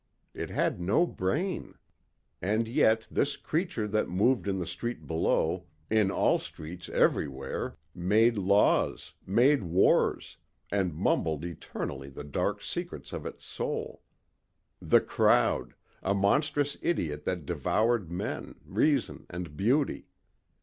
It had no brain. And yet this creature that moved in the street below, in all streets everywhere, made laws, made wars, and mumbled eternally the dark secrets of its soul. The crowd ... a monstrous idiot that devoured men, reason and beauty.